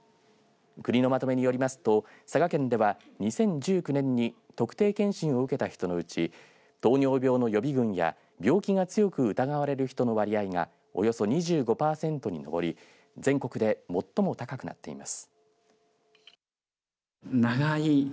国のまとめによりますと佐賀県では２０１９年に特定健診を受けた人のうち糖尿病の予備軍や病気が強く疑われる人の割合がおよそ２５パーセントに上り全国で最も高くなっています。